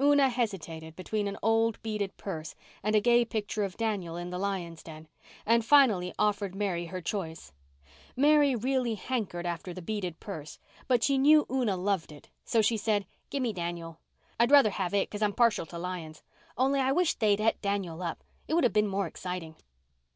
Una hesitated between an old beaded purse and a gay picture of Daniel in the lion's den, and finally offered Mary her choice. Mary really hankered after the beaded purse, but she knew Una loved it, so she said, "Give me Daniel. I'd rusher have it 'cause I'm partial to lions. Only I wish they'd et Daniel up. It would have been more exciting."